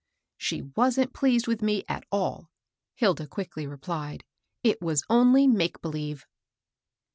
" She wasn't pleased with me at all," Hilda quickly replied ;" it was only make believe."